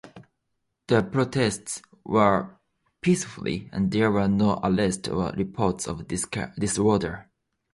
The protests were peaceful and there were no arrest or reports of disorder.